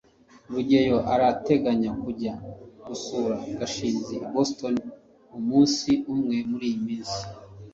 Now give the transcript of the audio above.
rugeyo arateganya kujya gusura gashinzi i boston umunsi umwe muriyi minsi